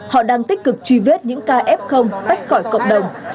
họ đang tích cực truy vết những ca f tách khỏi cộng đồng